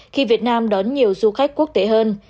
khi việt nam đón nhiều du khách quốc tế hơn